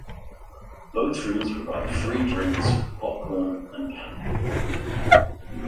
Both rooms provide free drinks, popcorn and candy.